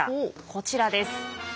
こちらです。